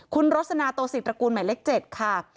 คุณโรศนาโตศิษย์ตระกูลใหม่เล็ก๗ค่ะ